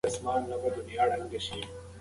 هر شعر د شاعر ځانګړی خوند لري.